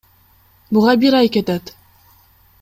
Буга бир ай кетет.